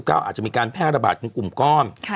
อาจจะมีการแพร่ระบาดกลุ่มก้อม